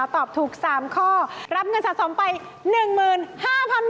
ตอบถูก๓ข้อรับเงินสะสมไป๑๕๐๐๐บาท